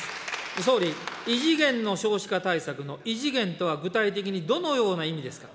総理、異次元の少子化対策の異次元とは、具体的にどのような意味ですか。